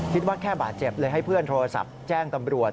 คิดว่าแค่บาดเจ็บเลยให้เพื่อนโทรศัพท์แจ้งตำรวจ